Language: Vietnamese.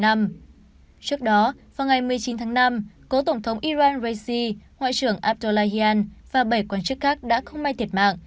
trước đó vào ngày một mươi chín tháng năm cố tổng thống iran raisi ngoại trưởng atholaian và bảy quan chức khác đã không may thiệt mạng